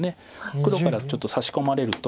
黒からちょっとサシ込まれると。